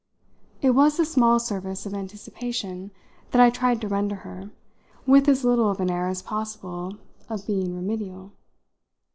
It was a small service of anticipation that I tried to render her with as little of an air as possible of being remedial.